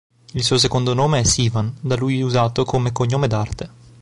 Il suo secondo nome è Sivan, da lui usato come cognome d'arte.